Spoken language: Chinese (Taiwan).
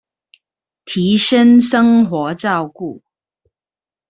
提升生活照顧